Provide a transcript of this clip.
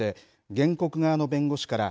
原告側の弁護士から、